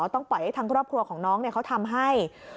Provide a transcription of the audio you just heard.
ต้องปล่อยให้ทางครอบครัวของน้องเขาทำให้